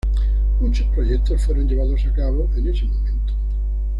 Muchos proyectos fueron llevados a cabo en ese momento.